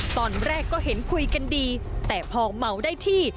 ตอนแรกก็เห็นคุยกันดีแต่พอเมาได้ที่